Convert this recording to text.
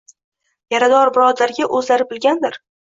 Yarador birodariga o’zlari bilgandir.